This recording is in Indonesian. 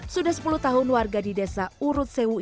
sudah sepuluh tahun warga di desa urut sewu ini